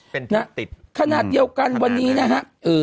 เป็นหน้าติดขนาดเดียวกันวันนี้นะฮะเอ่อ